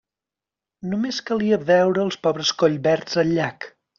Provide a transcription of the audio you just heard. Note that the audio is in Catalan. Només calia veure els pobres collverds del llac.